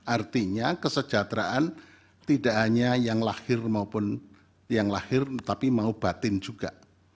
artinya kesejahteraan tidak hanya yang lahir maupun yang lahir tapi mau batin juga